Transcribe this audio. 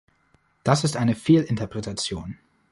Das ist eine Fehlinterpretation.